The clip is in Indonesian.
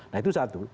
nah itu satu